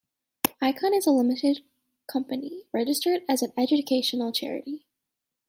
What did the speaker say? Ikon is a limited company, registered as an educational charity.